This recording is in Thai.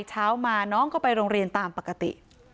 เช้ามาน้องก็ไปโรงเรียนตามปกติ